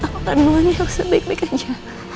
aku kandungannya harus sebaik baik aja